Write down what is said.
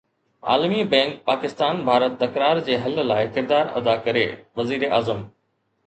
عالمي بئنڪ پاڪستان-ڀارت تڪرار جي حل لاءِ ڪردار ادا ڪري: وزيراعظم